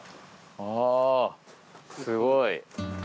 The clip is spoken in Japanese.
あぁすごい。